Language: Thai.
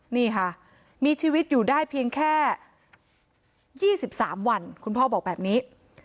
นี่ค่ะมีชีวิตอยู่ได้เพียงแค่๒๓วันคุณพ่อบอกแบบนี้